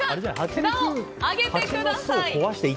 札を上げてください！